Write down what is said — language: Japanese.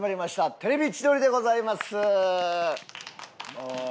『テレビ千鳥』でございます。